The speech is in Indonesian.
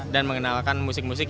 dan mengenalkan musik musik